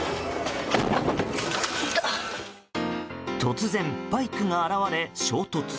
突然、バイクが現れ衝突。